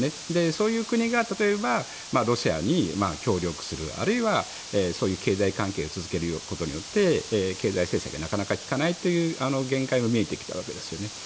そういう国が例えばロシアに協力するあるいはそういう経済関係を続けることによって経済制裁がなかなか効かないという限界が見えてきたわけですよね。